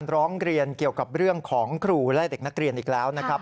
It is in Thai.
ร้องเรียนเกี่ยวกับเรื่องของครูและเด็กนักเรียนอีกแล้วนะครับ